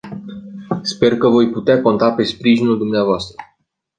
Sper că voi putea conta pe sprijinul dumneavoastră.